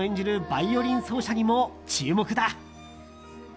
バイオリン奏者にも注目だ。